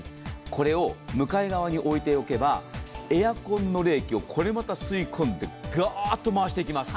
これを向かい側に置いておけばエアコンの冷気をこれまた吸い込んで、ガーッと回していきます。